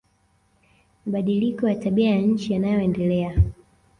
Mabadiliko ya tabia ya nchi yanayoendelea